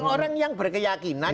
orang yang berkeyakinan